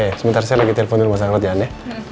ya ya sebentar saya lagi telponin mas anggrod ya andi